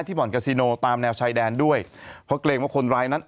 บ่อนกาซิโนตามแนวชายแดนด้วยเพราะเกรงว่าคนร้ายนั้น